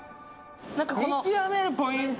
見極めるポイント。